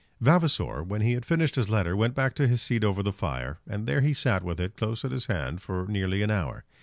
Vavasor, when he had finished his letter, went back to his seat over the fire, and there he sat with it close at his hand for nearly an hour.